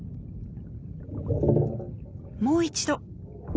もう一度。